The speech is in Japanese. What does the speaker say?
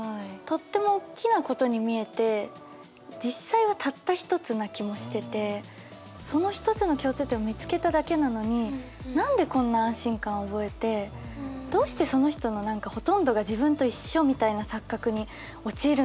とってもおっきなことに見えて実際はたった１つな気もしててその１つの共通点を見つけただけなのに何でこんな安心感を覚えてどうしてその人のほとんどが自分と一緒みたいな錯覚に陥るんだろうっていうのが。